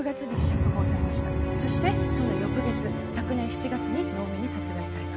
そしてその翌月昨年７月に能見に殺害された。